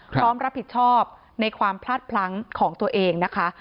พร้อมรับผิดชอบในความพลาดพลั้งของตัวเองนะคะ